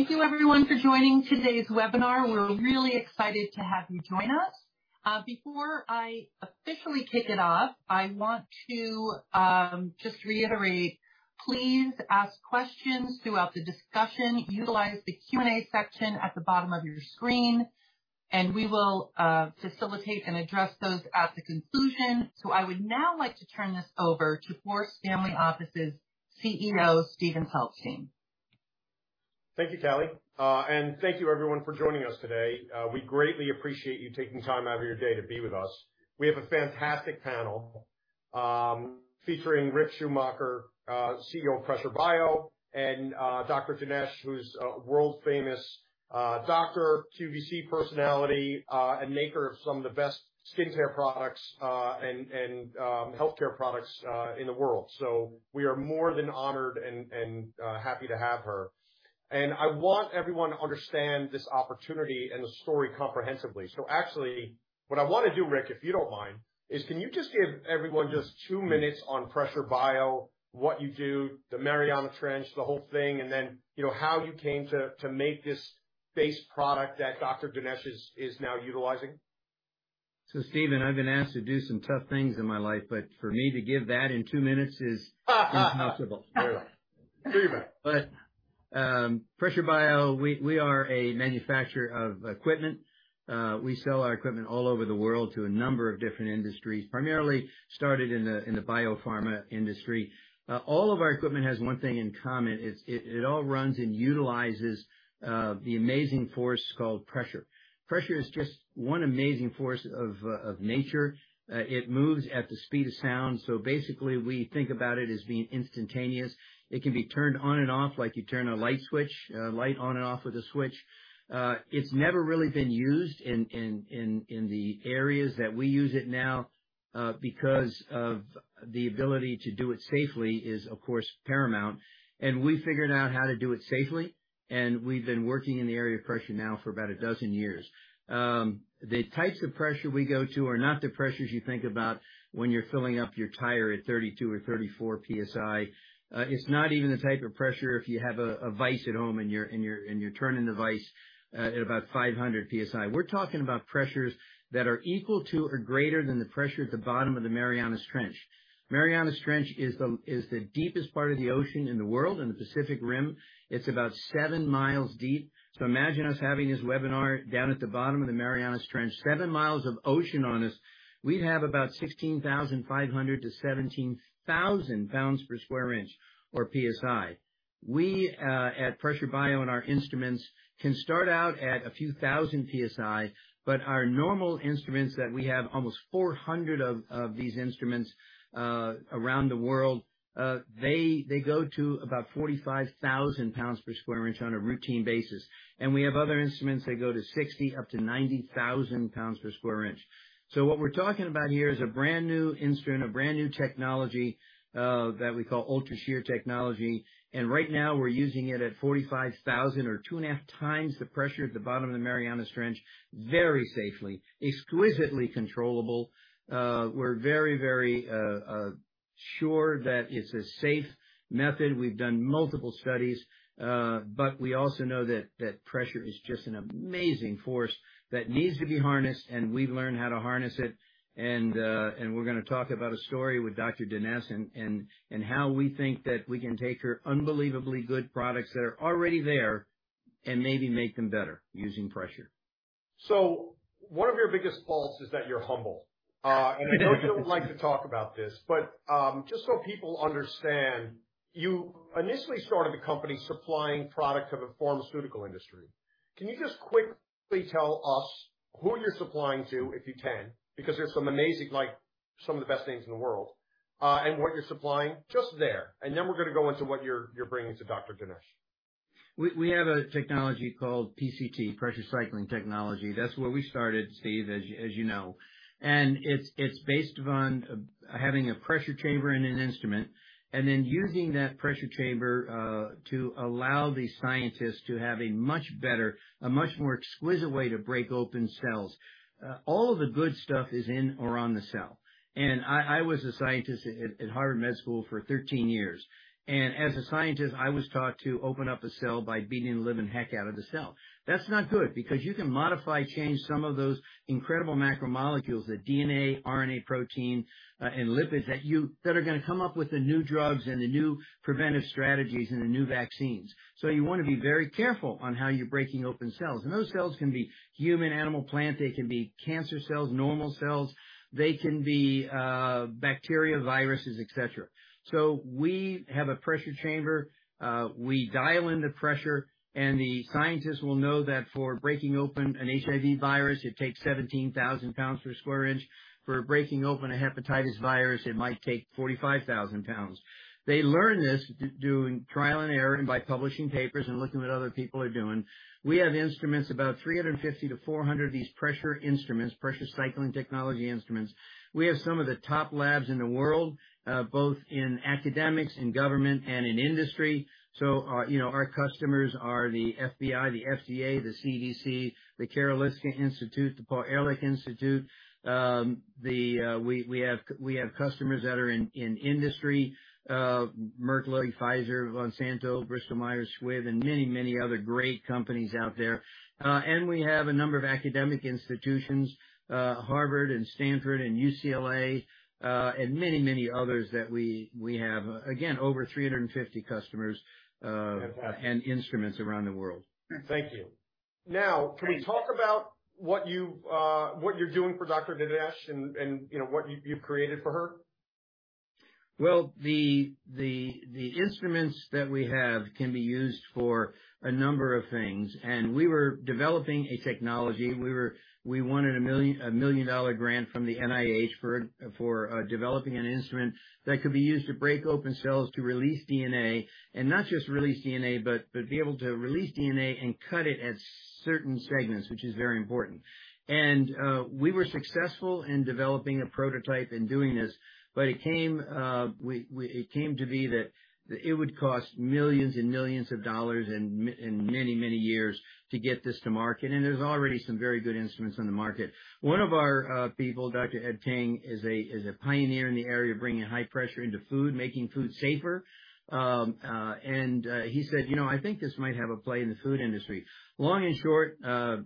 Thank you everyone for joining today's webinar. We're really excited to have you join us. Before I officially kick it off, I want to just reiterate, please ask questions throughout the discussion. Utilize the Q&A section at the bottom of your screen, and we will facilitate and address those at the conclusion. I would now like to turn this over to Forrest Family Office's CEO, Steven Goldstein. Thank you, Callie. Thank you everyone for joining us today. We greatly appreciate you taking time out of your day to be with us. We have a fantastic panel, featuring Rich Schumacher, CEO of Pressure Bio, and Dr. Adrienne Denese, who's a world-famous doctor, QVC personality, and maker of some of the best skincare products and healthcare products in the world. We are more than honored and happy to have her. I want everyone to understand this opportunity and the story comprehensively. Actually, what I wanna do, Rich, if you don't mind, is can you just give everyone just two minutes on Pressure Bio, what you do, the Mariana Trench, the whole thing, and then, you know, how you came to make this base product that Dr. Adrienne Denese is now utilizing. Steven, I've been asked to do some tough things in my life, but for me to give that in two minutes is impossible. Fair enough. Too bad. Pressure BioSciences, we are a manufacturer of equipment. We sell our equipment all over the world to a number of different industries, primarily in the biopharma industry. All of our equipment has one thing in common. It all runs and utilizes the amazing force called pressure. Pressure is just one amazing force of nature. It moves at the speed of sound, so basically we think about it as being instantaneous. It can be turned on and off, like you turn a light switch, a light on and off with a switch. It's never really been used in the areas that we use it now, because of the ability to do it safely is, of course, paramount. We figured out how to do it safely, and we've been working in the area of pressure now for about 12 years. The types of pressure we go to are not the pressures you think about when you're filling up your tire at 32 or 34 PSI. It's not even the type of pressure if you have a vise at home and you're turning the vise at about 500 PSI. We're talking about pressures that are equal to or greater than the pressure at the bottom of the Mariana Trench. Mariana Trench is the deepest part of the ocean in the world, in the Pacific Rim. It's about 7 mi deep. Imagine us having this webinar down at the bottom of the Mariana Trench, 7 mi of ocean on us. We'd have about 16,500-17,000 pounds per square inch or PSI. We at Pressure BioSciences and our instruments can start out at a few thousand PSI, but our normal instruments that we have almost 400 of these instruments around the world, they go to about 45,000 pounds per square inch on a routine basis. We have other instruments that go to 60,000-90,000 pounds per square inch. What we're talking about here is a brand new instrument, a brand new technology that we call UltraShear Technology. Right now we're using it at 45,000 or 2.5 times the pressure at the bottom of the Mariana Trench, very safely, exquisitely controllable. We're very sure that it's a safe method. We've done multiple studies, but we also know that pressure is just an amazing force that needs to be harnessed, and we've learned how to harness it. We're gonna talk about a story with Dr. Denese and how we think that we can take her unbelievably good products that are already there and maybe make them better using pressure. One of your biggest faults is that you're humble. I know you don't like to talk about this, but just so people understand, you initially started the company supplying product to the pharmaceutical industry. Can you just quickly tell us who you're supplying to, if you can, because there's some amazing, like, some of the best names in the world, and what you're supplying just there. Then we're gonna go into what you're bringing to Dr. Denese. We have a technology called PCT, Pressure Cycling Technology. That's where we started, Steve, as you know. It's based upon having a pressure chamber in an instrument and then using that pressure chamber to allow the scientists to have a much better, a much more exquisite way to break open cells. All the good stuff is in or on the cell. I was a scientist at Harvard Med School for 13 years, and as a scientist, I was taught to open up a cell by beating the living heck out of the cell. That's not good because you can modify, change some of those incredible macromolecules, the DNA, RNA, protein, and lipids that are gonna come up with the new drugs and the new preventive strategies and the new vaccines. You wanna be very careful on how you're breaking open cells. Those cells can be human, animal, plant. They can be bacteria, viruses, et cetera. We have a pressure chamber. We dial in the pressure, and the scientists will know that for breaking open an HIV virus, it takes 17,000 pounds per square inch. For breaking open a hepatitis virus, it might take 45,000 pounds. They learn this doing trial and error and by publishing papers and looking at what other people are doing. We have instruments about 350-400 of these pressure instruments, Pressure Cycling Technology instruments. We have some of the top labs in the world, both in academia and government and in industry. Our, you know, our customers are the FBI, the FDA, the CDC, the Karolinska Institute, the Paul Ehrlich Institute. We have customers that are in industry, Merck, Pfizer, Monsanto, Bristol Myers Squibb, and many other great companies out there. We have a number of academic institutions, Harvard and Stanford and UCLA, and many others that we have. Again, over 350 customers. Fantastic. and instruments around the world. Thank you. Now, can you talk about what you're doing for Dr. Denese and, you know, what you've created for her? Well, the instruments that we have can be used for a number of things. We were developing a technology. We wanted a $1 million grant from the NIH for developing an instrument that could be used to break open cells to release DNA, and not just release DNA, but be able to release DNA and cut it at certain segments, which is very important. We were successful in developing a prototype and doing this, but it came to be that it would cost millions and millions of dollars and many, many years to get this to market. There's already some very good instruments on the market. One of our people, Dr. Ed Ting, is a pioneer in the area of bringing high pressure into food, making food safer. He said, "You know, I think this might have a play in the food industry." Long and short,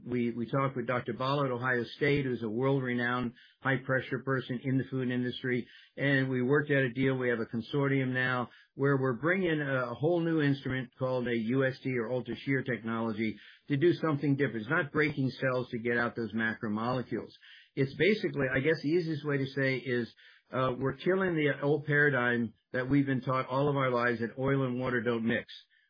we talked with Dr. Balasubramaniam at Ohio State, who's a world-renowned high-pressure person in the food industry, and we worked out a deal. We have a consortium now where we're bringing a whole new instrument called a UST or Ultra Shear Technology to do something different. It's not breaking cells to get out those macromolecules. It's basically, I guess the easiest way to say is, we're killing the old paradigm that we've been taught all of our lives that oil and water don't mix.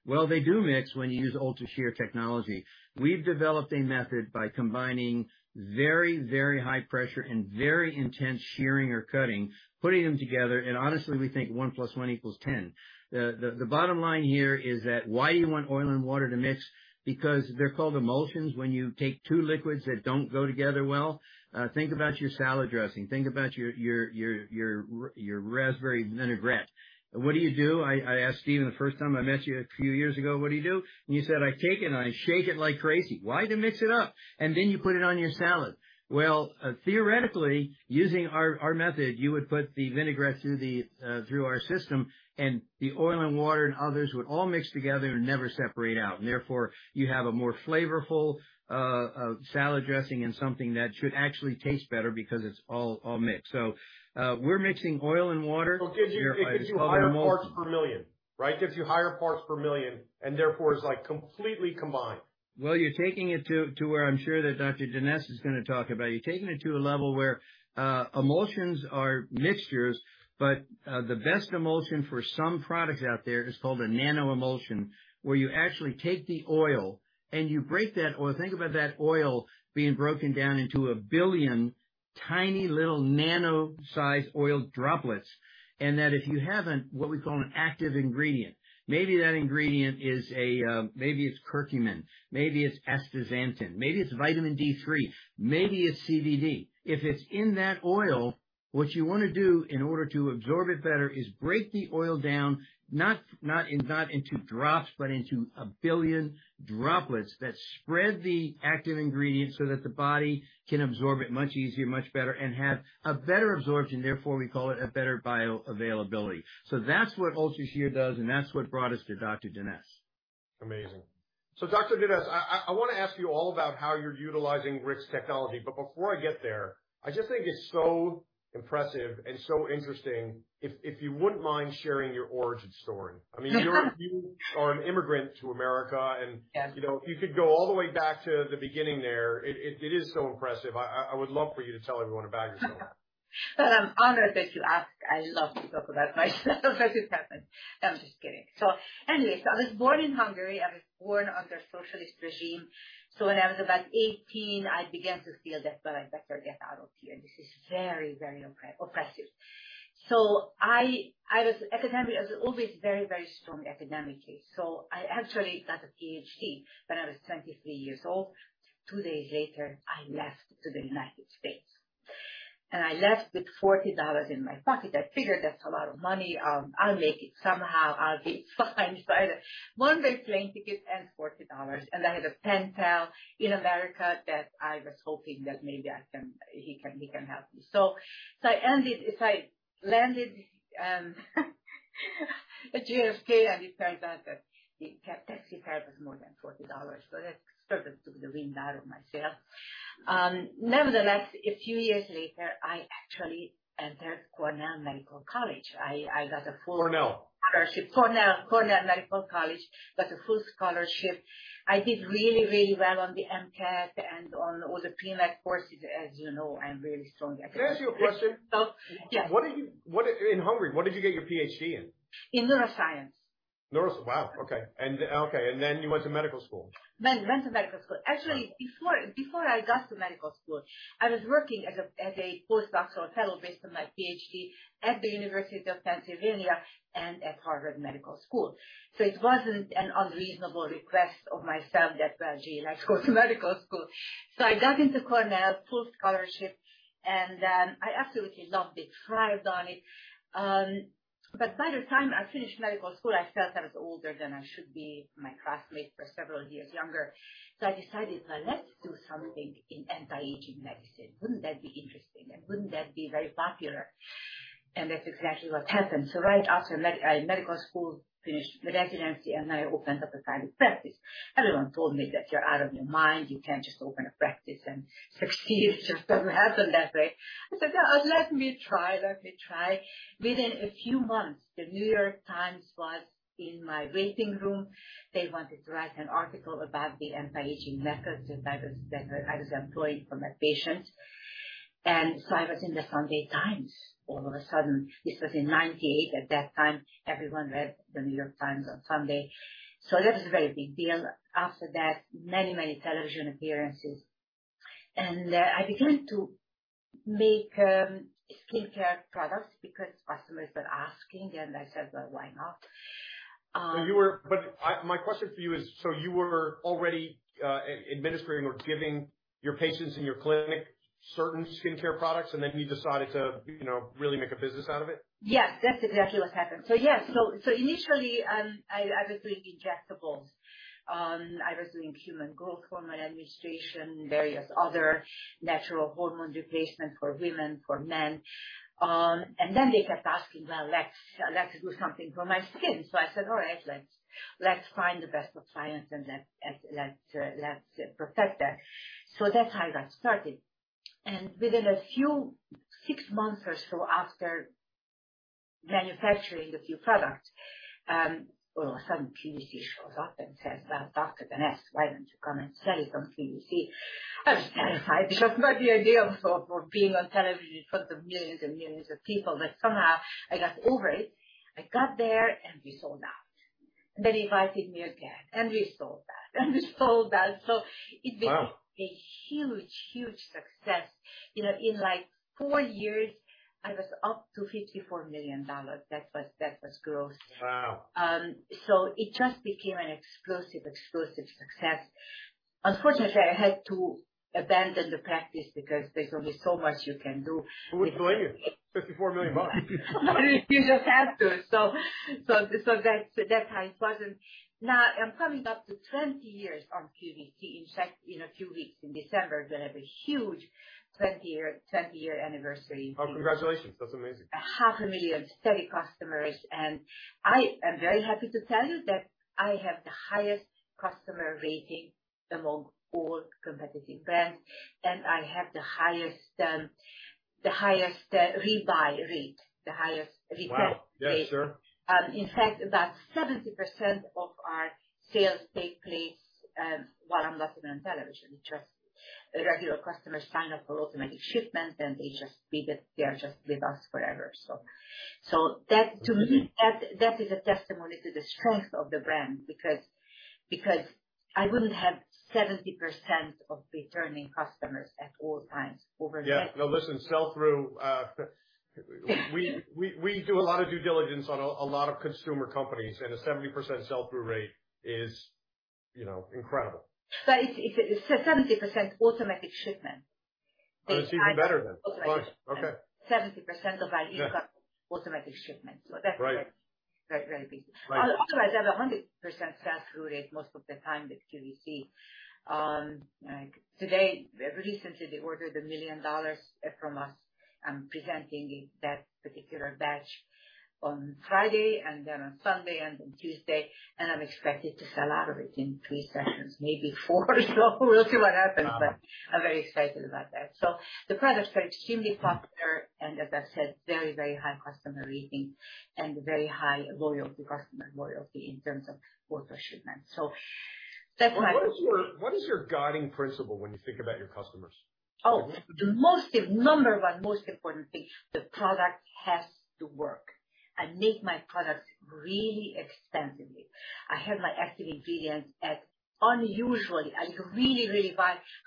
Well, they do mix when you use Ultra Shear Technology. We've developed a method by combining very, very high pressure and very intense shearing or cutting, putting them together, and honestly, we think one plus one equals ten. The bottom line here is that why you want oil and water to mix? Because they're called emulsions when you take two liquids that don't go together well. Think about your salad dressing. Think about your raspberry vinaigrette. What do you do? I asked Steven the first time I met you a few years ago, "What do you do?" And you said, "I take it and I shake it like crazy." Why? To mix it up. Then you put it on your salad. Theoretically, using our method, you would put the vinaigrette through our system, and the oil and water and others would all mix together and never separate out. Therefore, you have a more flavorful salad dressing and something that should actually taste better because it's all mixed. We're mixing oil and water. Well, it gives you higher parts per million, right? Therefore, it's like completely combined. Well, you're taking it to where I'm sure that Dr. Denese is gonna talk about. You're taking it to a level where emulsions are mixtures, but the best emulsion for some products out there is called a nano-emulsion, where you actually take the oil and you break that oil. Think about that oil being broken down into 1 billion tiny little nano-sized oil droplets, and that if you have what we call an active ingredient, maybe that ingredient is, maybe it's curcumin, maybe it's astaxanthin, maybe it's vitamin D3, maybe it's CBD. If it's in that oil, what you wanna do in order to absorb it better is break the oil down, not into drops, but into a billion droplets that spread the active ingredients so that the body can absorb it much easier, much better, and have a better absorption, therefore, we call it a better bioavailability. That's what UltraShear does, and that's what brought us to Dr. Denese. Amazing. Dr. Denese, I wanna ask you all about how you're utilizing Rich's technology. Before I get there, I just think it's so impressive and so interesting, if you wouldn't mind sharing your origin story. I mean, you are an immigrant to America and. Yes. You know, if you could go all the way back to the beginning there. It is so impressive. I would love for you to tell everyone about yourself. Well, I'm honored that you ask. I love to talk about myself. I'm just kidding. Anyway, I was born in Hungary. I was born under socialist regime. When I was about 18, I began to feel that, well, I better get out of here. This is very oppressive. I was always very strong academically. I actually got a PhD when I was 23 years old. Two days later, I left to the United States. I left with $40 in my pocket. I figured that's a lot of money. I'll make it somehow. I'll be fine. I had a one-way plane ticket and $40, and I had a pen pal in America that I was hoping that maybe I can, he can help me. I ended. I landed at JFK, and it turned out that the taxi fare was more than $40. That sort of took the wind out of my sails. Nevertheless, a few years later, I actually entered Weill Cornell Medicine. I got a full- Cornell. Scholarship. Cornell, Weill Cornell Medicine. Got a full scholarship. I did really, really well on the MCAT and on all the pre-med courses. As you know, I'm really strong academically. Can I ask you a question? Oh, yes. In Hungary, what did you get your PhD in? In neuroscience. Nurse? Wow, okay. Okay, and then you went to medical school. Went to medical school. Actually, before I got to medical school, I was working as a postdoctoral fellow based on my PhD at the University of Pennsylvania and at Harvard Medical School. It wasn't an unreasonable request of myself that, "Well, gee, let's go to medical school." I got into Cornell, full scholarship, and I absolutely loved it, thrived on it. By the time I finished medical school, I felt I was older than I should be. My classmates were several years younger. I decided, "Well, let's do something in anti-aging medicine. Wouldn't that be interesting? And wouldn't that be very popular?" That's exactly what happened. Right after medical school, finished the residency, and I opened up a private practice. Everyone told me that, "You're out of your mind. You can't just open a practice and succeed. It just doesn't happen that way." I said, "Let me try, let me try." Within a few months, the New York Times was in my waiting room. They wanted to write an article about the anti-aging methods that I was employing for my patients. I was in the Sunday Times all of a sudden. This was in 1998. At that time, everyone read the New York Times on Sunday. That was a very big deal. After that, many television appearances. I began to make skincare products because customers were asking, and I said, "Well, why not? My question for you is, so you were already administering or giving your patients in your clinic certain skincare products, and then you decided to, you know, really make a business out of it? Yes. That's exactly what happened. Yes. Initially, I was doing injectables. I was doing human growth hormone administration, various other natural hormone replacement for women, for men. Then they kept asking, "Well, let's do something for my skin." I said, "All right. Let's find the best of science, and let's perfect that." That's how I got started. Within a few six months or so after manufacturing a few products, all of a sudden QVC shows up and says, "Well, Dr. Denese, why don't you come and sell something?" You see, I was terrified because the idea of being on television in front of millions and millions of people, but somehow I got over it. I got there, and we sold out. They invited me again, and we sold out, and we sold out. Wow. A huge success. You know, in like four years, I was up to $54 million. That was gross. Wow. It just became an explosive success. Unfortunately, I had to abandon the practice because there's only so much you can do. Who would blame you? $54 million. You just have to. That's how it was. Now I'm coming up to 20 years on QVC. In fact, in a few weeks, in December, we're gonna have a huge 20-year anniversary. Oh, congratulations. That's amazing. A half a million steady customers, and I am very happy to tell you that I have the highest customer rating among all competitive brands, and I have the highest rebuy rate, the highest repurchase rate. Wow. Yes, sir. In fact, about 70% of our sales take place while I'm not even on television. Just regular customers sign up for automatic shipment, and they are just with us forever. Mm-hmm. To me, that is a testimony to the strength of the brand because I wouldn't have 70% of returning customers at all times over the decades. Yeah. No, listen, sell-through. We do a lot of due diligence on a lot of consumer companies, and a 70% sell-through rate is, you know, incredible. It's a 70% automatic shipment. Oh, it's even better than. Automatic. Okay. 70% of our income- Yeah. automatic shipments. That's Right. Very big. Right. Otherwise, I have a 100% sell-through rate most of the time with QVC. Like, today, recently, they ordered $1 million from us. I'm presenting that particular batch on Friday, and then on Sunday, and on Tuesday, and I'm expected to sell out of it in three sessions, maybe four. We'll see what happens. Wow. I'm very excited about that. The products are extremely popular, and as I said, very, very high customer rating and very high loyalty, customer loyalty in terms of auto-shipment. That's my What is your guiding principle when you think about your customers? Oh, number one most important thing, the product has to work. I make my products really expensively. I have my active ingredients at unusually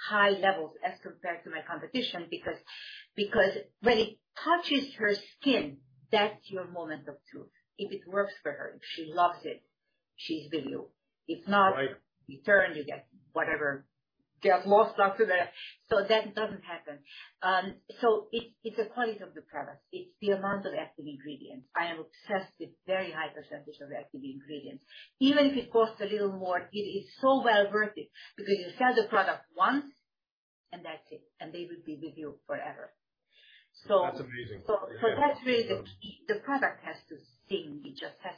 high levels as compared to my competition because when it touches her skin, that's your moment of truth. If it works for her, if she loves it, she's with you. If not. Right. Return, you get whatever. Get lost, doctor. That doesn't happen. It's the quality of the product. It's the amount of active ingredients. I am obsessed with very high percentage of active ingredients. Even if it costs a little more, it is so well worth it because you sell the product once, and that's it, and they will be with you forever. That's amazing. Yeah. For that reason, the product has to sing. It just has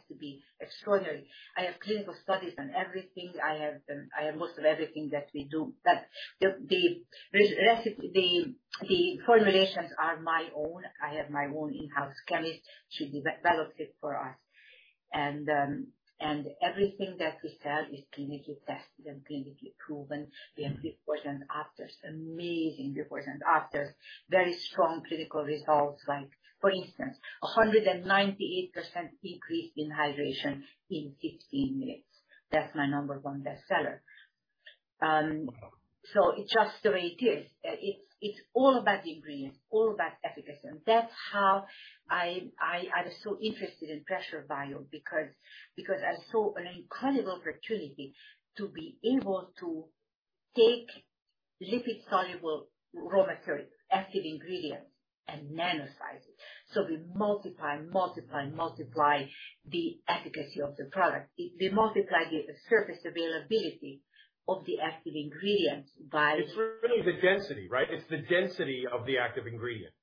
to be extraordinary. I have clinical studies on everything. I have most of everything that we do. But the formulations are my own. I have my own in-house chemist. She develops it for us. Everything that we sell is clinically tested and clinically proven. We have befores and afters, amazing befores and afters. Very strong clinical results like, for instance, a 198% increase in hydration in 15 minutes. That's my number one bestseller. It's just the way it is. It's all about the ingredients, all about efficacy. That's how I was so interested in Pressure BioSciences because I saw an incredible opportunity to be able to take lipid-soluble raw material, active ingredients, and nanosize it. We multiply the efficacy of the product. We multiply the surface availability of the active ingredients by- It's really the density, right? It's the density of the active ingredient.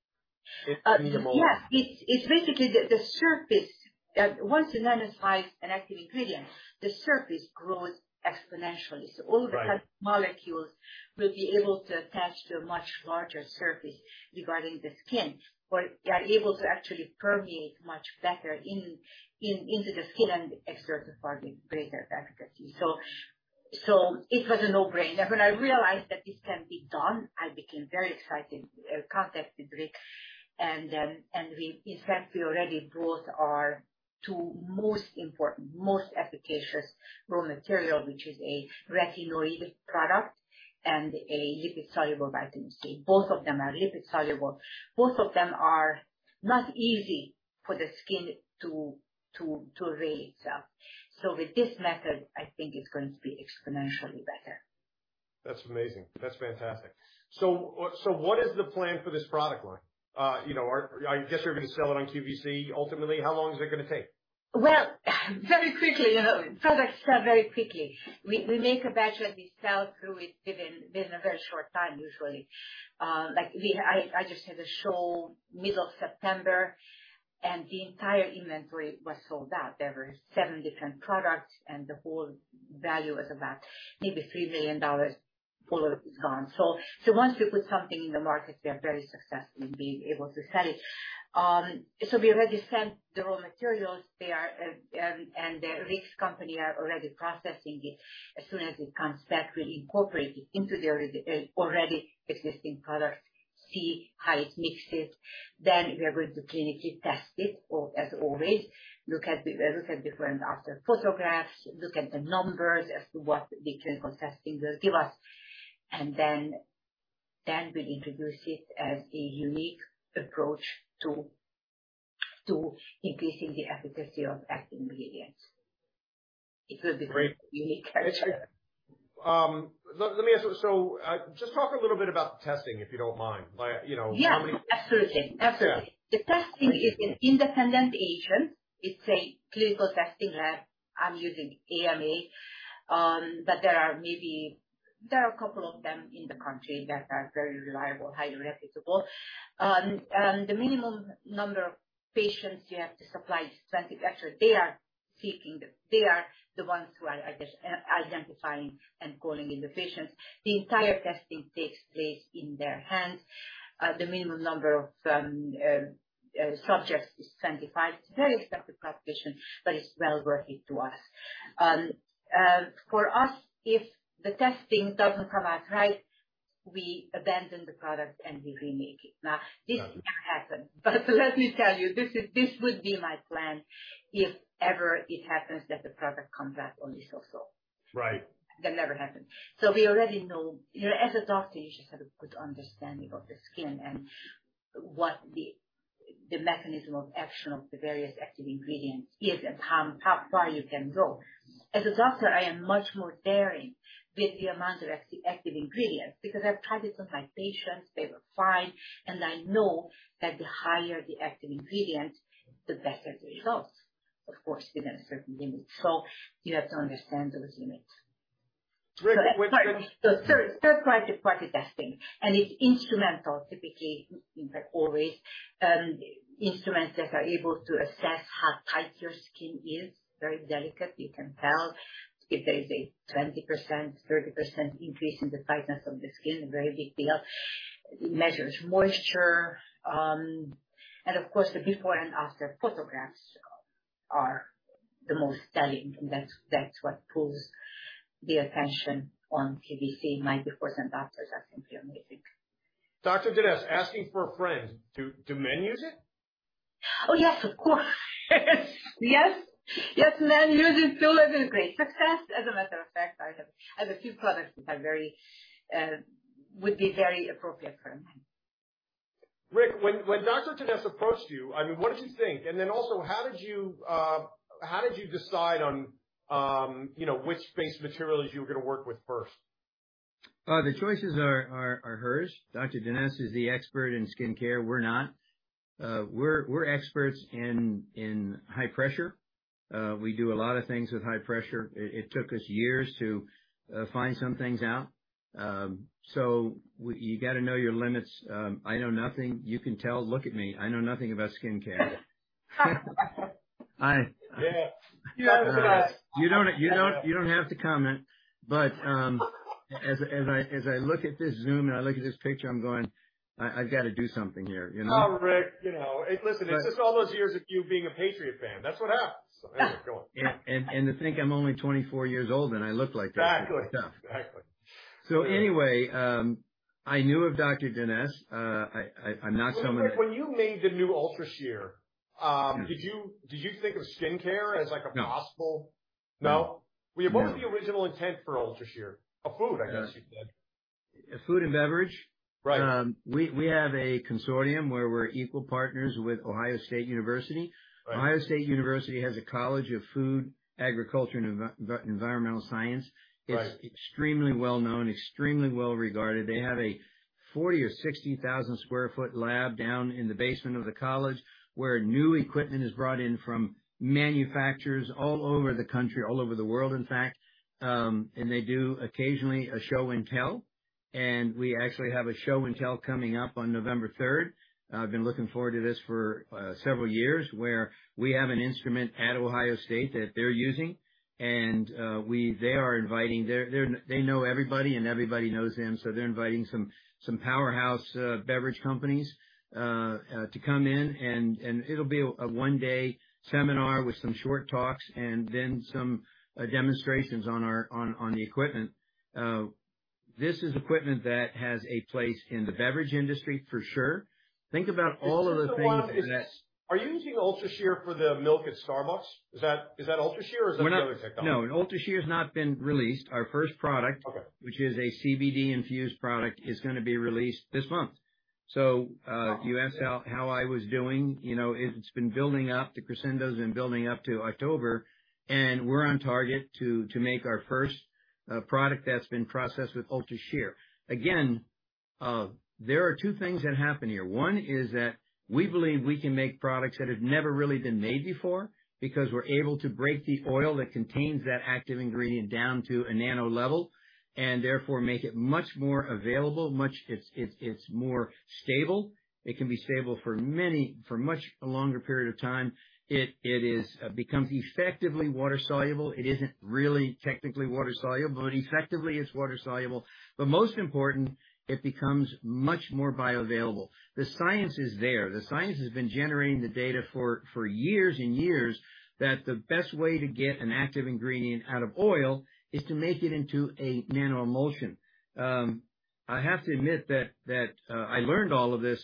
It's in the mole- Yes. It's basically the surface. Once you nanosize an active ingredient, the surface grows exponentially. Right. All the molecules will be able to attach to a much larger surface regarding the skin, but they are able to actually permeate much better into the skin and exert a far greater efficacy. It was a no-brainer. When I realized that this can be done, I became very excited. I contacted Rich, and in fact, we already brought our two most important, most efficacious raw material, which is a retinoid product and a lipid-soluble vitamin C. Both of them are lipid soluble. Both of them are not easy for the skin to raise up. With this method, I think it's going to be exponentially better. That's amazing. That's fantastic. What is the plan for this product line? You know, I guess you're gonna sell it on QVC ultimately. How long is it gonna take? Well, very quickly. Products sell very quickly. We make a batch, and we sell through it within a very short time usually. Like, I just had a show middle of September, and the entire inventory was sold out. There were seven different products, and the whole value was about maybe $3 million. All of it was gone. Once we put something in the market, we are very successful in being able to sell it. We already sent the raw materials. They and Rich's company are already processing it. As soon as it comes back, we incorporate it into the already existing products, see how it mixes. We are going to clinically test it, or as always, we look at before and after photographs, look at the numbers as to what the clinical testing will give us. We'll introduce it as a unique approach to increasing the efficacy of active ingredients. It will be. Great. -unique Let me ask you. Just talk a little bit about the testing, if you don't mind. Like, you know, how many- Yeah, absolutely. Absolutely. Yeah. The testing is an independent agent. It's a clinical testing lab. I'm using AMA, but there are a couple of them in the country that are very reliable, highly reputable. The minimum number of patients you have to supply is 20. Actually, they are the ones who are identifying and calling in the patients. The entire testing takes place in their hands. The minimum number of subjects is 25. It's a very expensive proposition, but it's well worth it to us. For us, if the testing doesn't come out right, we abandon the product and we remake it. Now, this never happened. Got it. Let me tell you, this would be my plan if ever it happens that the product comes back only so-so. Right. That never happened. We already know. You know, as a doctor, you just have a good understanding of the skin and what the mechanism of action of the various active ingredients is and how far you can go. As a doctor, I am much more daring with the amount of active ingredients because I've tried it on my patients, they were fine, and I know that the higher the active ingredient, the better the results. Of course, within a certain limit. You have to understand those limits. With, with the- It requires third-party testing. It's instrumental, typically, in fact always, instruments that are able to assess how tight your skin is, very delicate. You can tell if there is a 20%, 30% increase in the tightness of the skin, a very big deal. It measures moisture, and of course, the before and after photographs are the most telling, and that's what pulls the attention on QVC, my before and afters are simply amazing. Dr. Denese, asking for a friend, do men use it? Oh, yes, of course. Yes. Yes, men use it, too. It is a great success. As a matter of fact, I have a few products which are very, would be very appropriate for a man. Rich, when Dr. Denese approached you, I mean, what did you think? Then also, how did you decide on, you know, which base materials you were gonna work with first? The choices are hers. Dr. Denese is the expert in skincare. We're not. We're experts in high pressure. We do a lot of things with high pressure. It took us years to find some things out. You gotta know your limits. I know nothing. You can tell. Look at me. I know nothing about skincare. Yeah. You have to ask. You don't have to comment. As I look at this Zoom and I look at this picture, I'm going, "I've got to do something here," you know? Oh, Rich, you know. But- It's just all those years of you being a Patriot fan. That's what happens. Anyway, go on. Yeah. To think I'm only 24 years old and I look like that. Exactly. It's tough. Exactly. Anyway, I knew of Dr. Denese. I'm not someone that- When you made the new UltraShear, did you think of skincare as, like, a possible- No. No? Wait, what was the original intent for UltraShear? Food, I guess you could say. Food and beverage. Right. We have a consortium where we're equal partners with Ohio State University. Right. Ohio State University has a College of Food, Agricultural, and Environmental Sciences. Right. It's extremely well-known, extremely well-regarded. They have a 40- or 60-thousand-sq ft lab down in the basement of the college, where new equipment is brought in from manufacturers all over the country, all over the world, in fact. They do occasionally a show and tell, and we actually have a show and tell coming up on November third. I've been looking forward to this for several years, where we have an instrument at Ohio State that they're using, and they are inviting. They're. They know everybody and everybody knows them, so they're inviting some powerhouse beverage companies to come in, and it'll be a one-day seminar with some short talks and then some demonstrations on our on the equipment. This is equipment that has a place in the beverage industry for sure. Think about all of the things that. Are you using UltraShear for the milk at Starbucks? Is that UltraShear or is that the other technology? We're not. No. UltraShear has not been released. Our first product. Okay. which is a CBD-infused product, is gonna be released this month. You asked how I was doing. You know, it's been building up. The crescendo's been building up to October, and we're on target to make our first product that's been processed with UltraShear. Again, there are two things that happen here. One is that we believe we can make products that have never really been made before because we're able to break the oil that contains that active ingredient down to a nano level and therefore make it much more available. It's more stable. It can be stable for much longer period of time. It becomes effectively water-soluble. It isn't really technically water-soluble, but effectively it's water-soluble. But most important, it becomes much more bioavailable. The science is there. The science has been generating the data for years and years that the best way to get an active ingredient out of oil is to make it into a nano-emulsion. I have to admit that I learned all of this,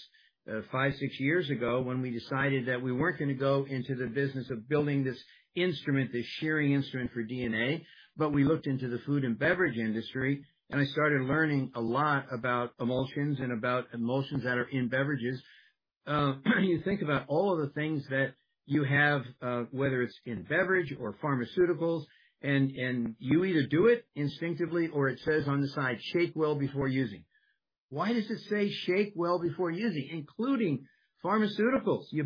5, 6 years ago when we decided that we weren't gonna go into the business of building this instrument, this shearing instrument for DNA. We looked into the food and beverage industry, and I started learning a lot about emulsions and about emulsions that are in beverages. You think about all of the things that you have, whether it's in beverage or pharmaceuticals, and you either do it instinctively or it says on the side, "Shake well before using." Why does it say, "Shake well before using," including pharmaceuticals? You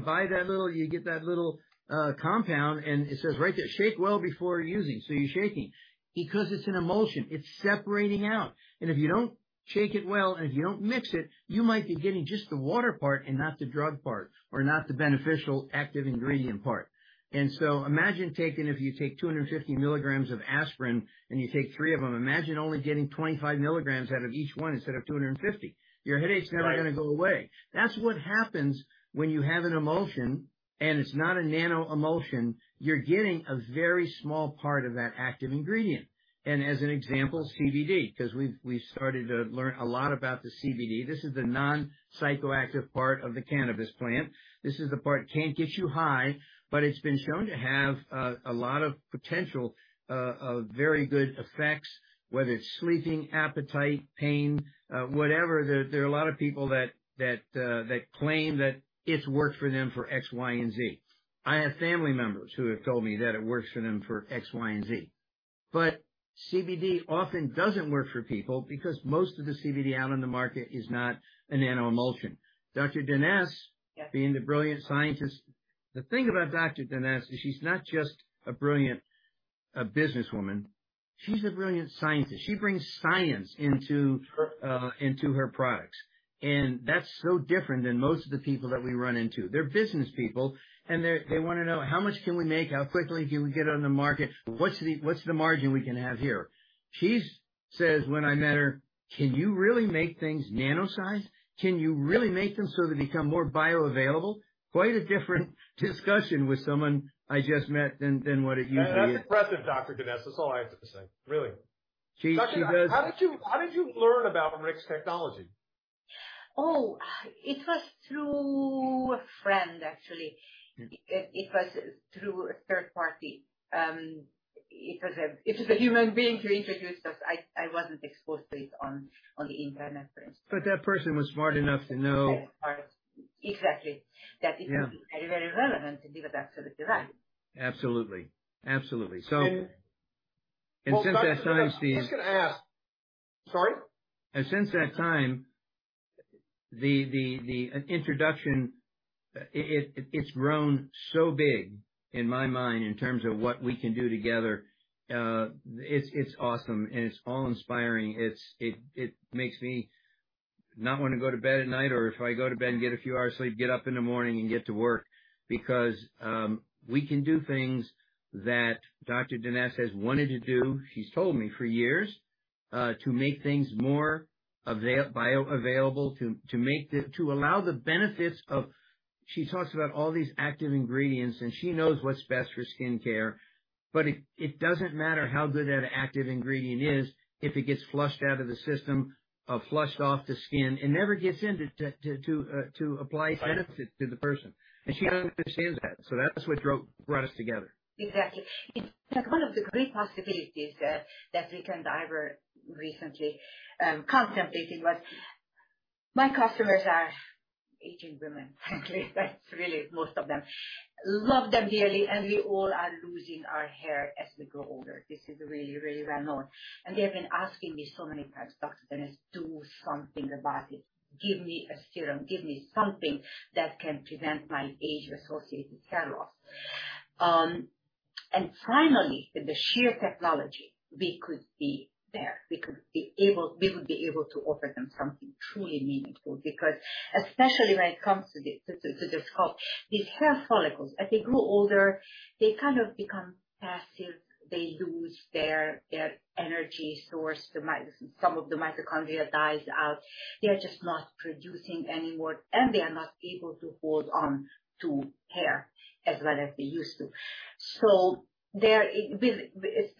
get that little compound, and it says right there, "Shake well before using." You're shaking because it's an emulsion. It's separating out. If you don't shake it well, and if you don't mix it, you might be getting just the water part and not the drug part or not the beneficial active ingredient part. Imagine taking, if you take 250 milligrams of aspirin and you take three of them, imagine only getting 25 milligrams out of each one instead of 250. Your headache's never gonna go away. Right. That's what happens when you have an emulsion and it's not a nano-emulsion. You're getting a very small part of that active ingredient. As an example, CBD, 'cause we've started to learn a lot about the CBD. This is the non-psychoactive part of the cannabis plant. This is the part, can't get you high, but it's been shown to have a lot of potential of very good effects, whether it's sleeping, appetite, pain, whatever. There are a lot of people that claim that it's worked for them for X, Y, and Z. I have family members who have told me that it works for them for X, Y, and Z. CBD often doesn't work for people because most of the CBD out on the market is not a nano-emulsion. Dr. Denese- Yep. The thing about Dr. Denese is she's not just a brilliant businesswoman, she's a brilliant scientist. She brings science into her products. That's so different than most of the people that we run into. They're business people, and they wanna know how much can we make? How quickly can we get on the market? What's the margin we can have here? She said when I met her, "Can you really make things nano-sized? Can you really make them so they become more bioavailable?" Quite a different discussion with someone I just met than what it usually is. That's impressive, Dr. Denese. That's all I have to say, really. She does. Dr. Denese, how did you learn about Rich's technology? Oh, it was through a friend, actually. Mm-hmm. It was through a third party. It was a human being who introduced us. I wasn't exposed to it on the internet, for instance. That person was smart enough to know. Exactly. That it would be very relevant, and he was absolutely right. Absolutely. And- Since that time. I was just gonna ask. Sorry. Since that time, the introduction, it's grown so big in my mind in terms of what we can do together. It's awesome and it's awe-inspiring. It makes me not wanna go to bed at night, or if I go to bed and get a few hours sleep, get up in the morning and get to work because we can do things that Dr. Dr. Denese has wanted to do. She's told me for years to make things more bioavailable, to allow the benefits of. She talks about all these active ingredients, and she knows what's best for skincare, but it doesn't matter how good that active ingredient is, if it gets flushed out of the system or flushed off the skin and never gets in to apply benefit to the person. Right. She understands that. That's what brought us together. Exactly. It's one of the great possibilities that Rich and I were recently contemplating was my customers are aging women, frankly. That's really most of them. Love them dearly, and we all are losing our hair as we grow older. This is really, really well-known. They have been asking me so many times, "Dr. Denese, do something about it. Give me a serum. Give me something that can prevent my age-associated hair loss." Finally, with the UltraShear technology, we could be there. We would be able to offer them something truly meaningful because especially when it comes to the scalp, these hair follicles, as they grow older, they kind of become passive. They lose their energy source. Some of the mitochondria dies out. They are just not producing anymore, and they are not able to hold on to hair as well as they used to.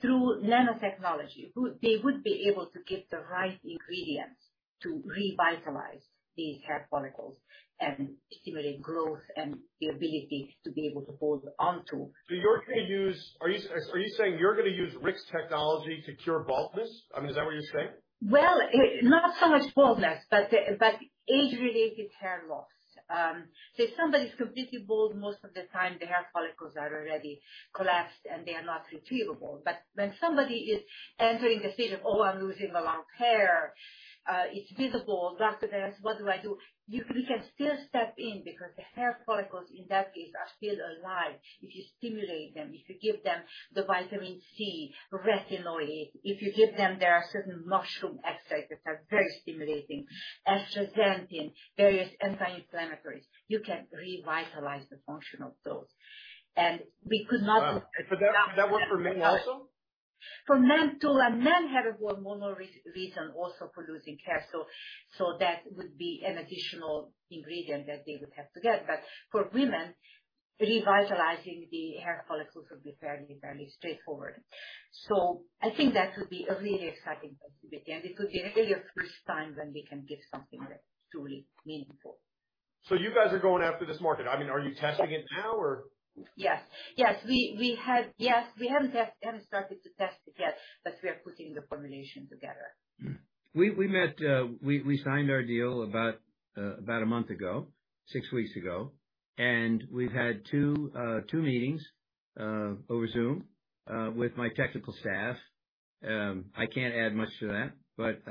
Through nanotechnology, they would be able to get the right ingredients to revitalize these hair follicles and stimulate growth and the ability to be able to hold on to. You're gonna use Rich's technology to cure baldness? Are you saying you're gonna use Rich's technology to cure baldness? I mean, is that what you're saying? Well, not so much baldness, but age-related hair loss. If somebody's completely bald, most of the time their hair follicles are already collapsed, and they are not retrievable. When somebody is entering the stage of, "Oh, I'm losing a lot of hair," it's visible. "Dr. Denese, what do I do?" We can still step in because the hair follicles in that case are still alive. If you stimulate them, if you give them the vitamin C, retinoid, if you give them, there are certain mushroom extracts that are very stimulating, astaxanthin, various anti-inflammatories, you can revitalize the function of those. We could not- Would that work for men also? For men too. Men have a hormonal reason also for losing hair, so that would be an additional ingredient that they would have to get. For women, revitalizing the hair follicles would be fairly straightforward. I think that would be a really exciting possibility, and it would be really a first time when we can give something that's truly meaningful. You guys are going after this market. I mean, are you testing it now or? Yes. We haven't started to test it yet, but we are putting the formulation together. We met, we signed our deal about a month ago, six weeks ago, and we've had two meetings over Zoom with my technical staff. I can't add much to that, but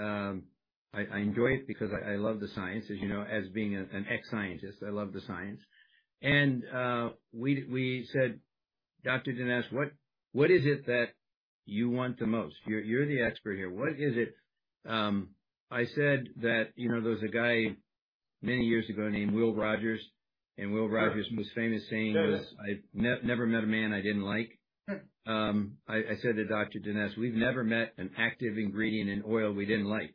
I enjoy it because I love the science, as you know, as being an ex-scientist. I love the science. We said, "Dr. Denese, what is it that you want the most? You're the expert here. What is it?" I said that, you know, there was a guy many years ago named Will Rogers, and Will Rogers' most famous saying was. Got it. I never met a man I didn't like. I said to Dr. Denese, "We've never met an active ingredient in oil we didn't like.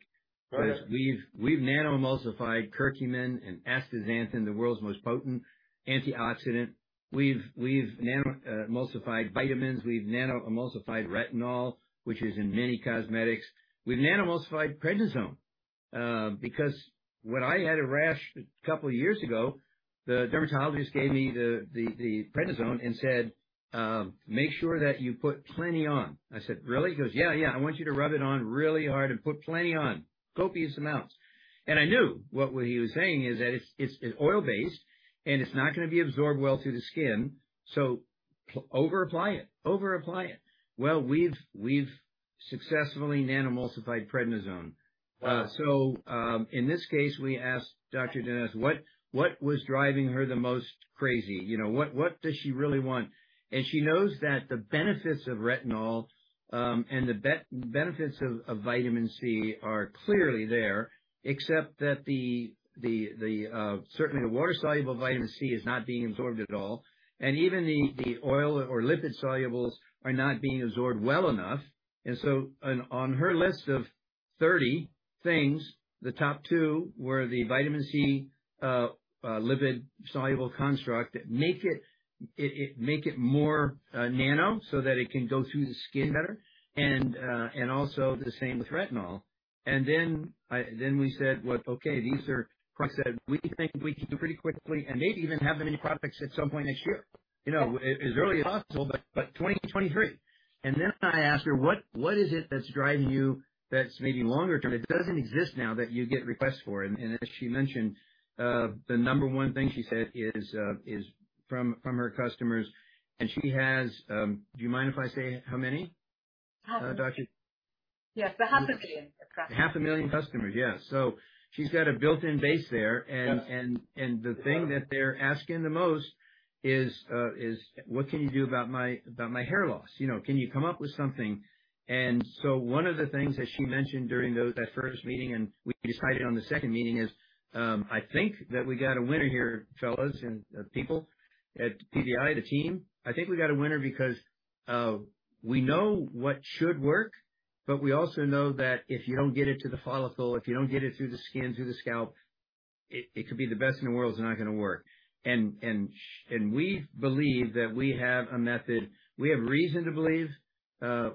Got it. We've nano-emulsified curcumin and astaxanthin, the world's most potent antioxidant. We've nano-emulsified vitamins. We've nano-emulsified retinol, which is in many cosmetics. We've nano-emulsified prednisone, because when I had a rash a couple years ago, the dermatologist gave me the prednisone and said, "Make sure that you put plenty on." I said, "Really?" He goes, "Yeah, yeah. I want you to rub it on really hard and put plenty on. Copious amounts." I knew what he was saying is that it's oil-based, and it's not gonna be absorbed well through the skin, so overapply it. Well, we've successfully nano-emulsified prednisone. Wow. In this case, we asked Dr. Denese what was driving her the most crazy. You know, what does she really want? She knows that the benefits of retinol and the benefits of vitamin C are clearly there, except that certainly the water-soluble vitamin C is not being absorbed at all. Even the oil or lipid solubles are not being absorbed well enough. On her list of 30 things, the top two were the vitamin C lipid-soluble construct. Make it more nano so that it can go through the skin better and also the same with retinol. Then we said, "Well, okay, these are products that we think we can do pretty quickly and maybe even have them in products at some point next year." You know, it is really possible, but 2023. Then I asked her, "What is it that's driving you that's maybe longer term, that doesn't exist now, that you get requests for?" As she mentioned, the number one thing she said is from her customers, and she has, do you mind if I say how many? Half. Doctor? Yes, the half a million approximately. 500,000 customers, yes. She's got a built-in base there. Yes. The thing that they're asking the most is, "What can you do about my hair loss?" You know, "Can you come up with something?" One of the things that she mentioned during that first meeting, and we decided on the second meeting, is I think that we got a winner here, fellas and people at PBI, the team. I think we got a winner because we know what should work. We also know that if you don't get it to the follicle, if you don't get it through the skin, through the scalp, it could be the best in the world, it's not gonna work. We believe that we have a method. We have reason to believe,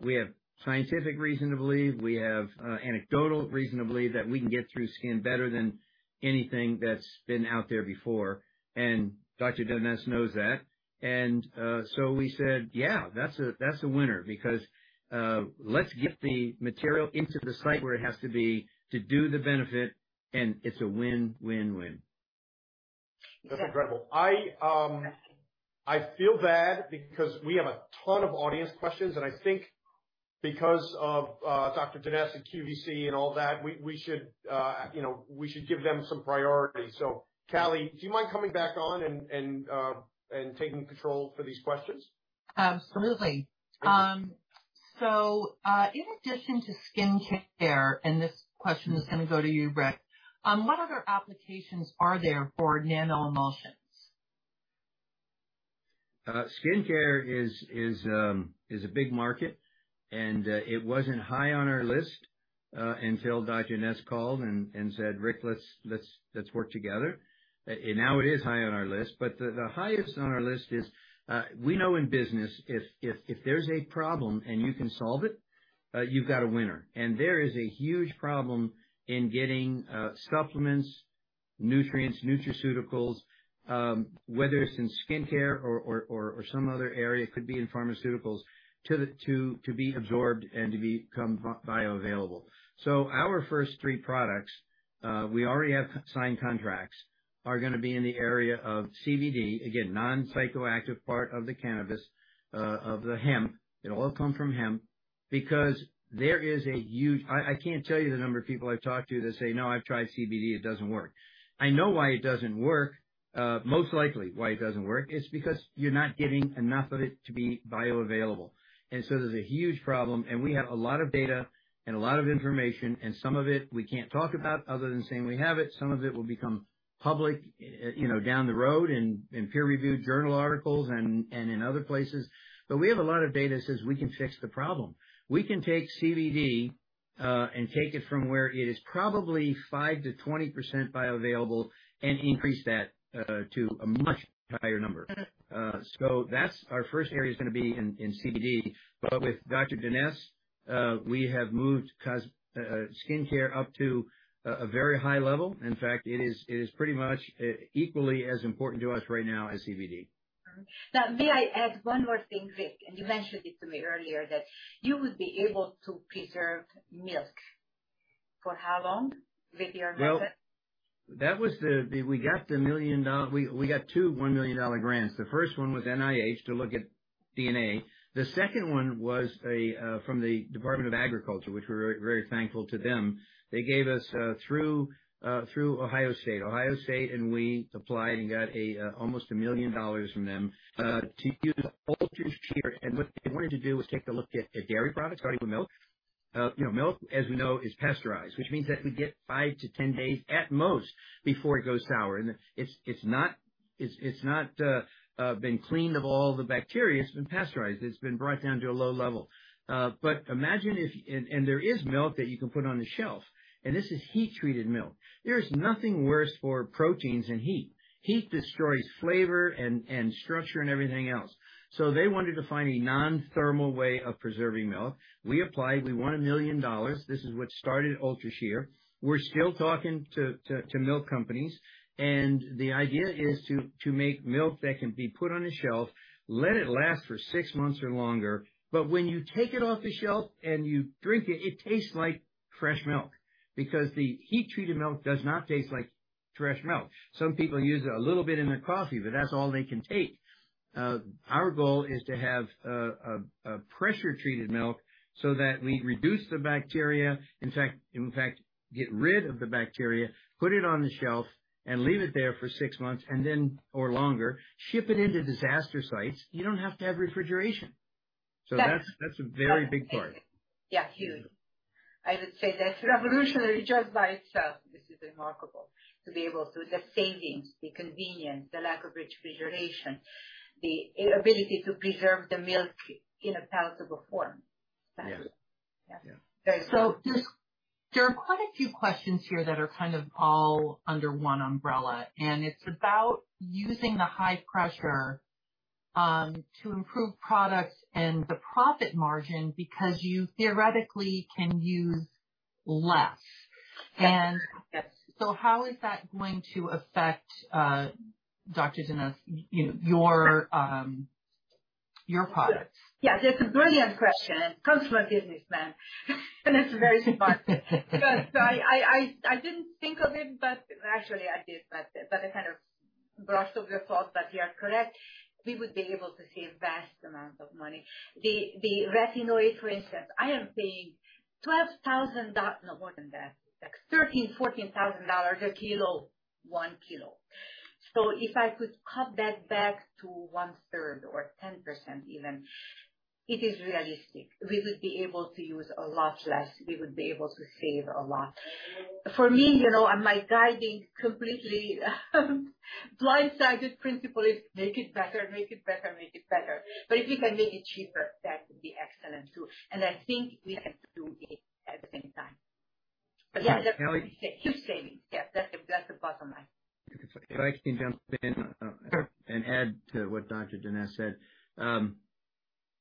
we have scientific reason to believe, we have anecdotal reason to believe, that we can get through skin better than anything that's been out there before. Dr. Denese knows that. We said, "Yeah, that's a winner because, let's get the material into the site where it has to be to do the benefit," and it's a win-win-win. That's incredible. I feel bad because we have a ton of audience questions, and I think because of Dr. Denese and QVC and all that, we should give them some priority. Callie, do you mind coming back on and taking control for these questions? Absolutely. In addition to skincare, and this question is gonna go to you, Rich, what other applications are there for nanoemulsions? Skincare is a big market, and it wasn't high on our list until Dr. Denese called and said, "Rick, let's work together." Now it is high on our list, but the highest on our list is we know in business if there's a problem and you can solve it, you've got a winner. There is a huge problem in getting supplements, nutrients, nutraceuticals, whether it's in skincare or some other area, could be in pharmaceuticals, to be absorbed and to become bioavailable. Our first three products, we already have signed contracts, are gonna be in the area of CBD. Again, non-psychoactive part of the cannabis, of the hemp. It'll all come from hemp because there is a huge I can't tell you the number of people I've talked to that say, "No, I've tried CBD, it doesn't work." I know why it doesn't work. Most likely why it doesn't work is because you're not getting enough of it to be bioavailable. There's a huge problem, and we have a lot of data and a lot of information, and some of it we can't talk about other than saying we have it. Some of it will become public down the road in peer-reviewed journal articles and in other places. We have a lot of data that says we can fix the problem. We can take CBD and take it from where it is probably 5%-20% bioavailable and increase that to a much higher number. That's... Our first area's gonna be in CBD. With Dr. Denese, we have moved skincare up to a very high level. In fact, it is pretty much equally as important to us right now as CBD. Now, may I add one more thing, Rick? You mentioned it to me earlier, that you would be able to preserve milk. For how long with your method? Well, we got two $1 million grants. The first one was NIH to look at DNA. The second one was from the Department of Agriculture, which we're very thankful to them. They gave us through Ohio State. We applied and got almost $1 million from them to use UltraShear. What they wanted to do was take a look at dairy products, starting with milk. You know, milk, as we know, is pasteurized, which means that we get 5-10 days at most before it goes sour. It's not been cleaned of all the bacteria. It's been pasteurized. It's been brought down to a low level. But imagine if. There is milk that you can put on the shelf, and this is heat-treated milk. There is nothing worse for proteins than heat. Heat destroys flavor and structure and everything else. They wanted to find a non-thermal way of preserving milk. We applied, we won $1 million. This is what started UltraShear. We're still talking to milk companies, and the idea is to make milk that can be put on a shelf, let it last for six months or longer, but when you take it off the shelf and you drink it tastes like fresh milk. Because the heat-treated milk does not taste like fresh milk. Some people use a little bit in their coffee, but that's all they can take. Our goal is to have a pressure-treated milk so that we reduce the bacteria. In fact, get rid of the bacteria, put it on the shelf, and leave it there for six months and then, or longer, ship it into disaster sites. You don't have to have refrigeration. That's- That's a very big part. Yeah, huge. I would say that's revolutionary just by itself. This is remarkable, to be able to the savings, the convenience, the lack of refrigeration, the ability to preserve the milk in a palatable form. Yes. Yeah. Yeah. there are quite a few questions here that are kind of all under one umbrella, and it's about using the high pressure to improve products and the profit margin because you theoretically can use less. Yes. How is that going to affect Dr. Denese, you know, your products? Yes. It's a brilliant question, and comes from a businessman. It's very smart. Because I didn't think of it, but actually, I did, but I kind of brushed off your thought, but you are correct. We would be able to save vast amounts of money. The retinoid, for instance, I am paying $12,000—no, more than that. Like $13,000, $14,000 a kilo, one kilo. So if I could cut that back to one third or 10% even, it is realistic. We would be able to use a lot less. We would be able to save a lot. For me, you know, and my guiding completely blindsided principle is make it better, make it better, make it better. If we can make it cheaper, that would be excellent too. I think we can do it at the same time. Yeah. Keep saving. Yes, that's the bottom line. If I can jump in. Sure. Add to what Dr. Denese said.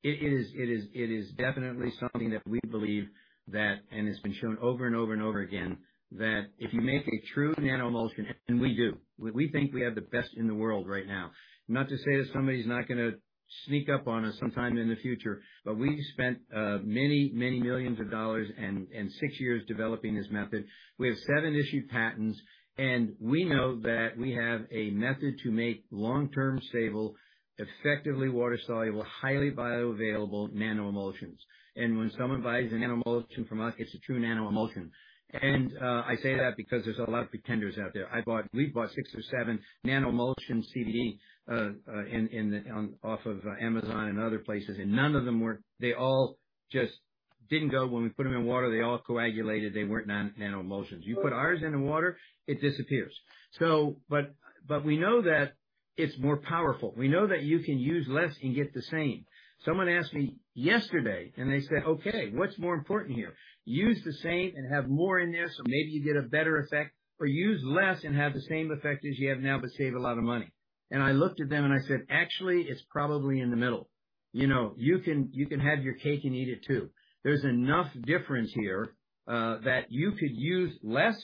It is definitely something that we believe that, and it's been shown over and over and over again, that if you make a true nano-emulsion, and we do. We think we have the best in the world right now. Not to say that somebody's not gonna sneak up on us sometime in the future, but we spent many millions of dollars and six years developing this method. We have seven issued patents. We know that we have a method to make long-term stable, effectively water-soluble, highly bioavailable nano-emulsions. When someone buys a nano-emulsion from us, it's a true nano-emulsion. I say that because there's a lot of pretenders out there. I bought, we've bought six or seven nano-emulsion CBD in on and off of Amazon and other places, and none of them work. They all just didn't go when we put them in water. They all coagulated. They weren't nano-emulsions. You put ours in the water, it disappears. We know that it's more powerful. We know that you can use less and get the same. Someone asked me yesterday, and they said, "Okay, what's more important here? Use the same and have more in there, so maybe you get a better effect. Or use less and have the same effect as you have now, but save a lot of money." I looked at them and I said, "Actually, it's probably in the middle." You know, you can have your cake and eat it too. There's enough difference here that you could use less,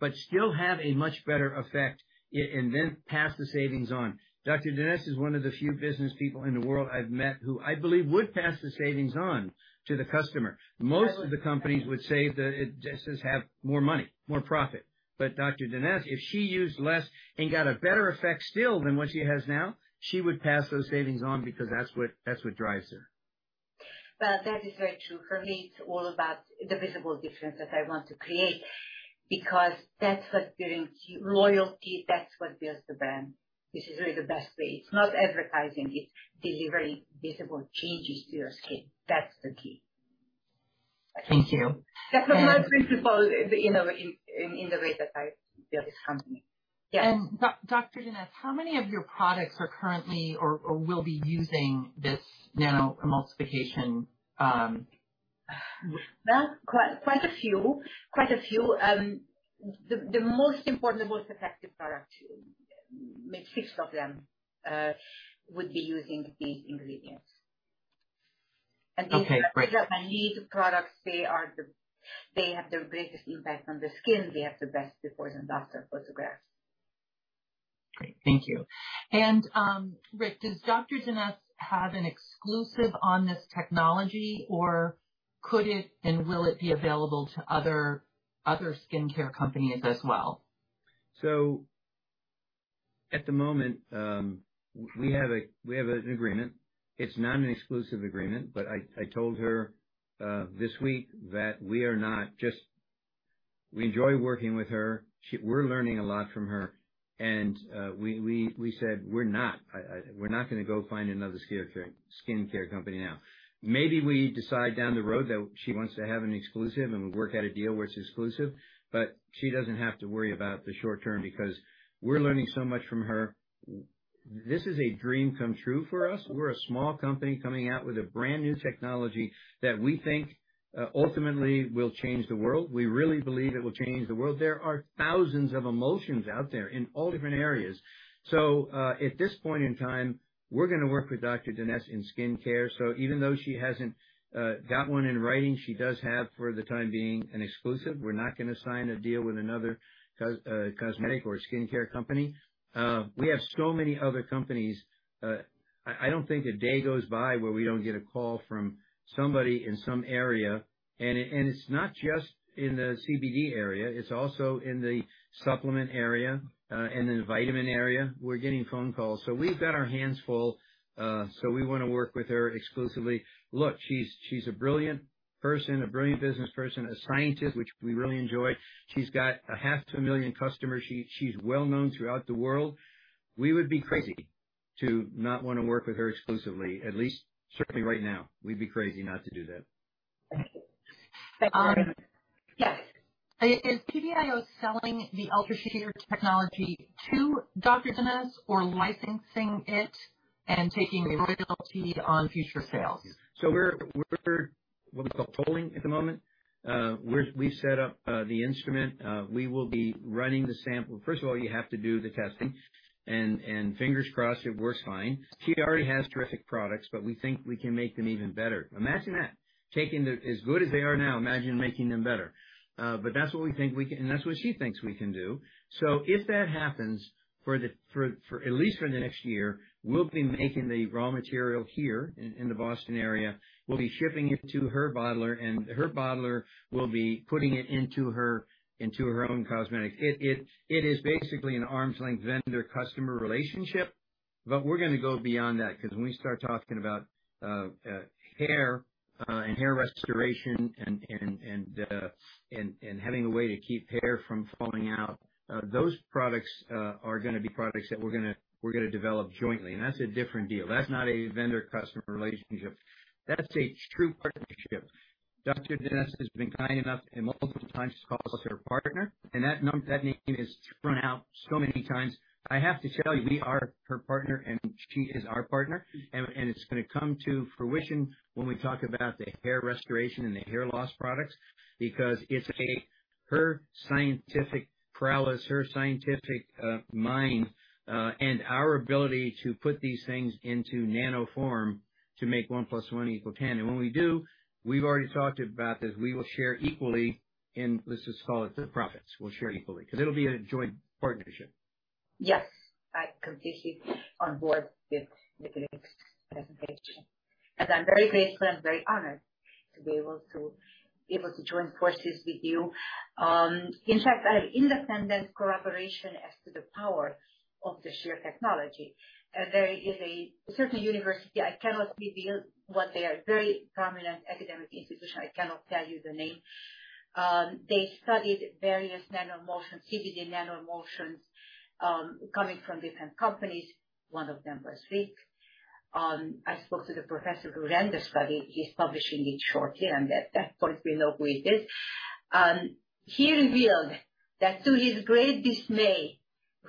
but still have a much better effect and then pass the savings on. Dr. Denese is one of the few business people in the world I've met who I believe would pass the savings on to the customer. Most of the companies would say that it just does have more money, more profit. Dr. Denese, if she used less and got a better effect still than what she has now, she would pass those savings on because that's what drives her. Well, that is very true. For me, it's all about the visible difference that I want to create, because that's what brings loyalty, that's what builds the brand. This is really the best way. It's not advertising, it's delivering visible changes to your skin. That's the key. Thank you. That's my principle in the way that I build this company. Yeah. Dr. Denese, how many of your products are currently or will be using this nanoemulsification? Well, quite a few. The most important, the most effective product, maybe six of them, would be using these ingredients. Okay, great. These are my lead products. They have the greatest impact on the skin. They have the best before and after photographs. Great. Thank you. Rick, does Dr. Denese have an exclusive on this technology, or could it and will it be available to other skincare companies as well? At the moment, we have an agreement. It's not an exclusive agreement, but I told her this week that we enjoy working with her. We're learning a lot from her. We said, we're not gonna go find another skincare company now. Maybe we decide down the road that she wants to have an exclusive and work out a deal where it's exclusive, but she doesn't have to worry about the short-term because we're learning so much from her. This is a dream come true for us. We're a small company coming out with a brand-new technology that we think ultimately will change the world. We really believe it will change the world. There are thousands of emulsions out there in all different areas. At this point in time, we're gonna work with Dr. Denese in skincare. Even though she hasn't got one in writing, she does have, for the time being, an exclusive. We're not gonna sign a deal with another cosmetic or skincare company. We have so many other companies. I don't think a day goes by where we don't get a call from somebody in some area. It's not just in the CBD area, it's also in the supplement area and in the vitamin area. We're getting phone calls. We've got our hands full, so we wanna work with her exclusively. Look, she's a brilliant person, a brilliant business person, a scientist, which we really enjoy. She's got 500,000 customers. She's well-known throughout the world. We would be crazy to not wanna work with her exclusively, at least certainly right now. We'd be crazy not to do that. Thank you. Yes. Is PBIO selling the UltraShear technology to Dr. Denese or licensing it and taking a royalty on future sales? We're what we call tolling at the moment. We set up the instrument. We will be running the sample. First of all, you have to do the testing. Fingers crossed, it works fine. She already has terrific products, but we think we can make them even better. Imagine that. Taking the, as good as they are now, imagine making them better. But that's what we think we can, and that's what she thinks we can do. If that happens for at least the next year, we'll be making the raw material here in the Boston area. We'll be shipping it to her bottler, and her bottler will be putting it into her own cosmetics. It is basically an arm's length vendor-customer relationship, but we're gonna go beyond that because when we start talking about hair and hair restoration and having a way to keep hair from falling out, those products are gonna be products that we're gonna develop jointly. That's a different deal. That's not a vendor-customer relationship. That's a true partnership. Dr. Denese has been kind enough and multiple times to call us her partner, and that name has been thrown out so many times. I have to tell you, we are her partner and she is our partner. It's gonna come to fruition when we talk about the hair restoration and the hair loss products, because it's her scientific prowess, her scientific mind, and our ability to put these things into nano form to make 1 + 1 = 10. When we do, we've already talked about this, we will share equally in, let's just call it the profits. We'll share equally because it'll be a joint partnership. Yes, I am completely on board with Rich's presentation. I'm very grateful and very honored to be able to join forces with you. In fact, I have independent corroboration as to the power of the shear technology. There is a certain university, I cannot reveal what they are, very prominent academic institution. I cannot tell you the name. They studied various nano-emulsions, CBD nano-emulsions, coming from different companies, one of them was Rich's. I spoke to the professor who ran the study. He's publishing it shortly, and at that point we know who he is. He revealed that to his great dismay,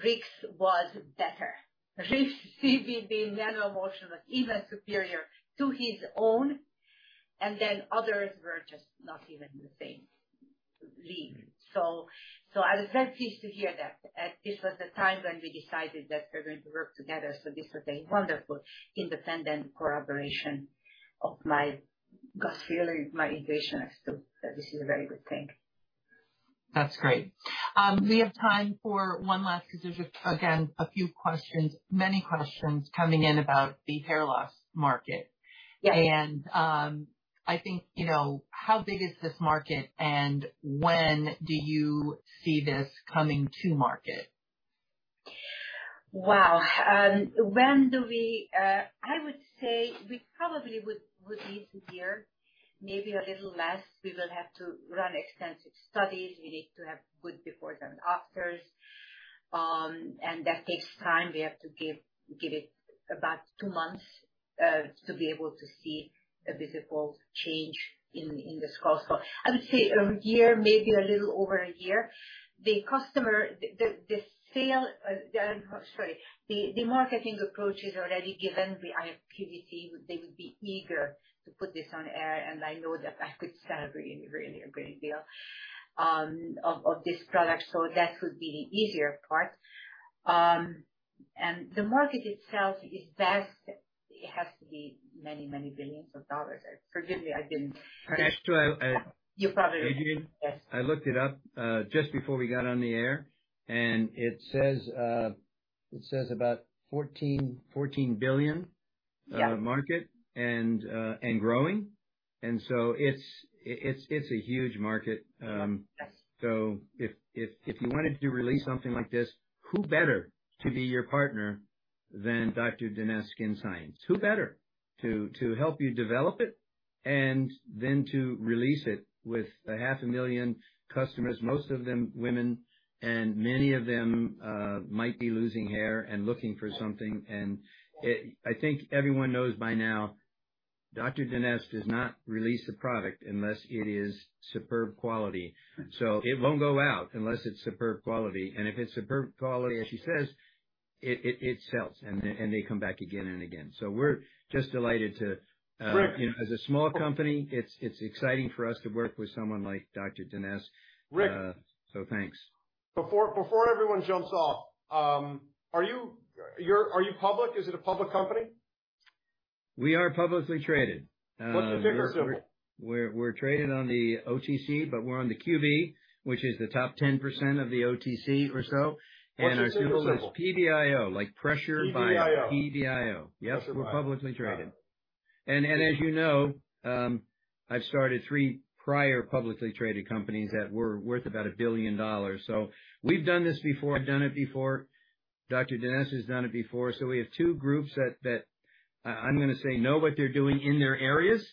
Rich's was better. Rich's CBD nano-emulsion was even superior to his own, and then others were just not even in the same league. I was very pleased to hear that. This was the time when we decided that we're going to work together. This was a wonderful independent collaboration of my gut feeling, my intuition as to that this is a very good thing. That's great. We have time for one last, because there's just again, a few questions, many questions coming in about the hair loss market. Yes. I think, you know, how big is this market and when do you see this coming to market? Wow. I would say we probably would need a year, maybe a little less. We will have to run extensive studies. We need to have good befores and afters. That takes time. We have to give it about two months to be able to see a visible change in the scalp. I would say a year, maybe a little over a year. The marketing approach is already given. The QVC, they would be eager to put this on air, and I know that could sell really a great deal of this product. That would be easier part. The market itself is vast. It has to be many $ billion. Forgive me, I didn't. Actually, I You probably did. Yes. Dr. Adrienne Denese, I looked it up just before we got on the air and it says about $14 billion. Yeah. market and growing. It's a huge market. Yes. If you wanted to release something like this, who better to be your partner than Dr. Denese SkinScience? Who better to help you develop it and then to release it with 500,000 customers, most of them women, and many of them might be losing hair and looking for something. I think everyone knows by now, Dr. Denese does not release a product unless it is superb quality. It won't go out unless it's superb quality. If it's superb quality, as she says, it sells and they come back again and again. We're just delighted to. Rick. As a small company, it's exciting for us to work with someone like Dr. Denese. Rick. Thanks. Before everyone jumps off, are you public? Is it a public company? We are publicly traded. What's the ticker symbol? We're traded on the OTC, but we're on the OTCQB, which is the top 10% of the OTC or so. What's the symbol? Our symbol is PBIO, like pressure bio. PBIO. PBIO. Yes, we're publicly traded. As you know, I've started three prior publicly traded companies that were worth about $1 billion. We've done this before. I've done it before. Dr. Denese has done it before. We have two groups that I'm gonna say know what they're doing in their areas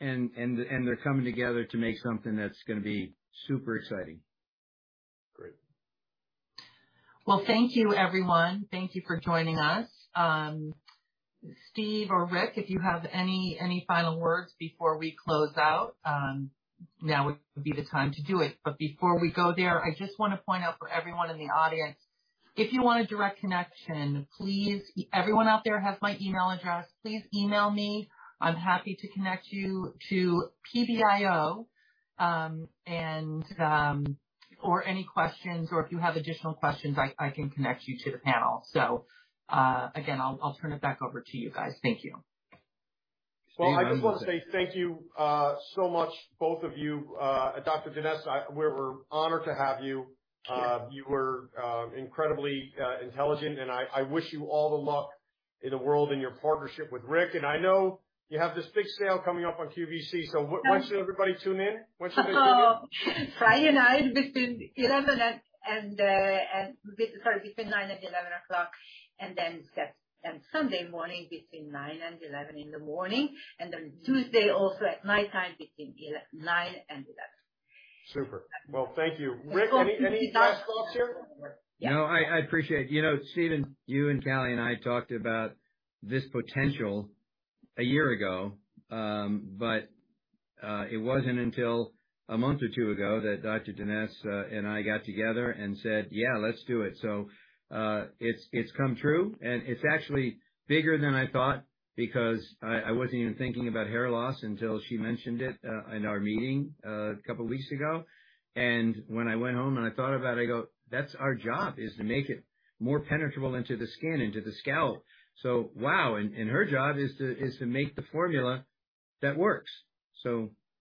and they're coming together to make something that's gonna be super exciting. Great. Well, thank you everyone. Thank you for joining us. Steven or Rich, if you have any final words before we close out, now would be the time to do it. Before we go there, I just wanna point out for everyone in the audience, if you want a direct connection, everyone out there has my email address. Please email me. I'm happy to connect you to PBIO and/or any questions or if you have additional questions, I can connect you to the panel. Again, I'll turn it back over to you guys. Thank you. Well, I just want to say thank you so much, both of you. Dr. Denese, we're honored to have you. Thank you. You were incredibly intelligent, and I wish you all the luck in the world in your partnership with Rick. I know you have this big sale coming up on QVC, so when should everybody tune in? When should they tune in? Friday night between 9:00 P.M. and 11:00 P.M. Saturday and Sunday morning between 9:00 A.M. and 11:00 A.M. Tuesday also at nighttime between 9:00 P.M. and 11:00 P.M. Super. Well, thank you. Rick, any last thoughts here? No, I appreciate. You know, Steven, you and Callie and I talked about this potential a year ago, but it wasn't until a month or two ago that Dr. Denese and I got together and said, "Yeah, let's do it." It's come true. It's actually bigger than I thought because I wasn't even thinking about hair loss until she mentioned it in our meeting a couple of weeks ago. When I went home and I thought about it, I go, "That's our job, is to make it more penetrable into the skin, into the scalp." Wow. Her job is to make the formula that works.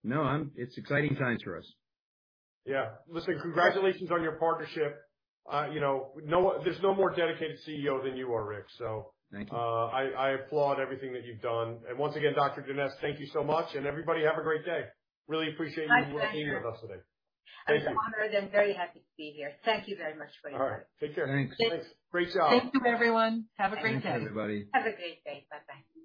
No, it's exciting times for us. Yeah. Listen, congratulations on your partnership. You know, there's no more dedicated CEO than you are, Rich, so. Thank you. I applaud everything that you've done. Once again, Dr. Denese, thank you so much, and everybody have a great day. Really appreciate you being here with us today. I'm honored and very happy to be here. Thank you very much for your time. All right. Take care. Thanks. Great job. Thank you, everyone. Have a great day. Thanks, everybody. Have a great day. Bye-bye.